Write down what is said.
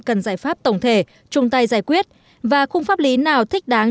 cần giải pháp tổng thể chung tay giải quyết và khung pháp lý nào thích đáng